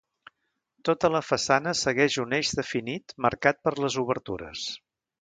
Tota la façana segueix un eix definit marcat per les obertures.